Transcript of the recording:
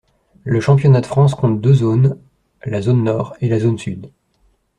Le Championnat de France compte deux zones: la zone nord et la zone sud.